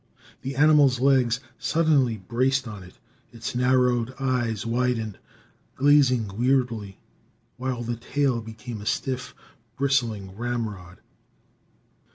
The animal's legs suddenly braced on it; its narrowed eyes widened, glazing weirdly, while the tail became a stiff, bristling ramrod.